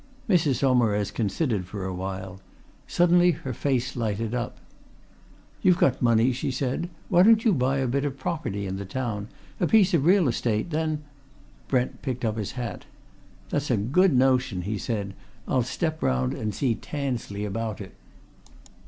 Mrs. Saumarez considered for a while. Suddenly her face lighted up. "You've got money," she said. "Why don't you buy a bit of property in the town a piece of real estate? Then " Brent picked up his hat. "That's a good notion," he said. "I'll step round and see Tansley about it."